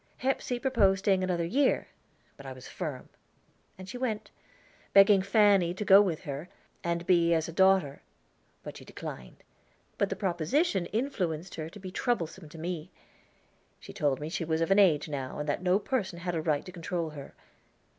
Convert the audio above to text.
Hepsey proposed staying another year, but I was firm; and she went, begging Fanny to go with her and be as a daughter. She declined; but the proposition influenced her to be troublesome to me. She told me she was of age now, and that no person had a right to control her.